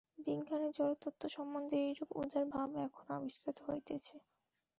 বিজ্ঞানেও জড়তত্ত্ব সম্বন্ধে এইরূপ উদার ভাব এখন আবিষ্কৃত হইতেছে।